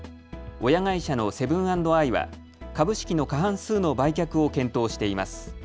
親会社のセブン＆アイは株式の過半数の売却を検討しています。